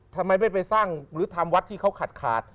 ทำไมไม่ไปสร้างหรือทำวัดที่เขาขาดขาด